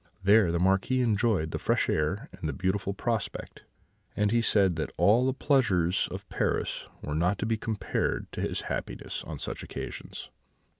There the Marquis enjoyed the fresh air and the beautiful prospect, and he said that all the pleasures of Paris were not to be compared to his happiness on such occasions.